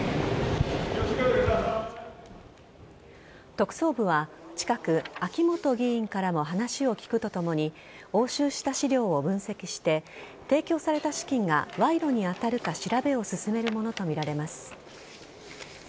特捜部は近く秋本議員からも話を聞くとともに押収した資料を分析して提供された資金が賄賂に当たるか調べを進めるものとみられます。